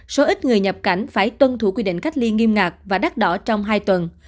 số ít người nhập cảnh phải tuân thủ quy định cách ly nghiêm ngạc và đắt đỏ trong hai tuần